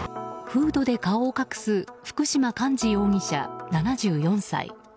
フードで顔を隠す福嶋寛治容疑者、７４歳。